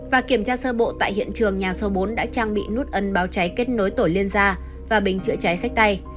và kiểm tra sơ bộ tại hiện trường nhà số bốn đã trang bị nút ấn báo cháy kết nối tổ liên gia và bình chữa cháy sách tay